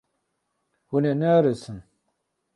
Hûn ê nearêsin.